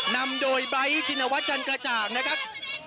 นำโดยไบร์ทชินวัฒนจันกระจ่างนะครับ